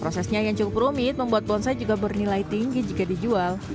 prosesnya yang cukup rumit membuat bonsai juga bernilai tinggi jika dijual